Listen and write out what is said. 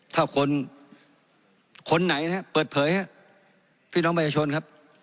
ถ้าคนไหนเปิดเผยพี่น้องมัยชนครับ